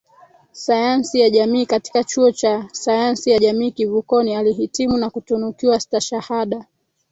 Sayansi ya Jamii katika Chuo cha Sayansi ya Jamii Kivukoni alihitimu na kutunukiwa stashahada